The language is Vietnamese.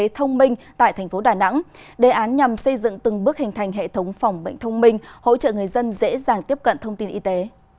y thông minh tại thành phố đà nẵng đề án nhằm xây dựng từng bước hình thành hệ thống phòng bệnh thông minh hỗ trợ người dân dễ dàng tiếp cận thông tin y tế